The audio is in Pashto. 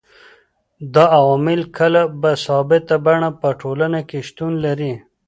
دا عوامل کله په ثابته بڼه په ټولنه کي شتون لري